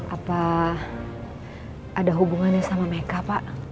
apa ada hubungannya sama mereka pak